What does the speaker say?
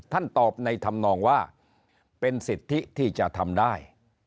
ตอบในธรรมนองว่าเป็นสิทธิที่จะทำได้